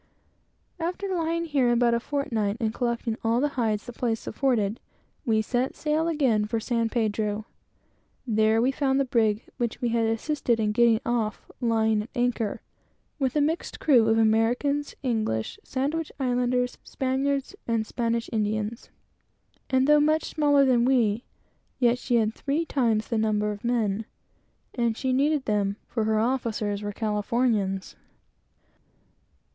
After lying here about a fortnight, and collecting all the hides the place afforded, we set sail again for San Pedro. There we found the brig which we had assisted in getting off lying at anchor, with a mixed crew of Americans, English, Sandwich Islanders, Spaniards, and Spanish Indians; and, though much smaller than we, yet she had three times the number of men; and she needed them, for her officers were Californians.